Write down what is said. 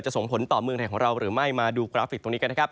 ส่งผลต่อเมืองไทยของเราหรือไม่มาดูกราฟิกตรงนี้กันนะครับ